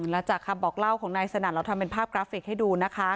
แล้วจากคำบอกเล่าของนายสนั่นเราทำเป็นภาพกราฟิกให้ดูนะคะ